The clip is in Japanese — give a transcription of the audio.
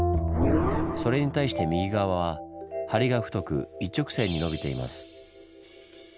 それに対して右側は梁が太く一直線にのびています。